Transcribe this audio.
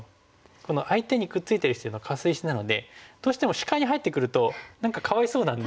この相手にくっついてる石っていうのはカス石なのでどうしても視界に入ってくると何かかわいそうなんで。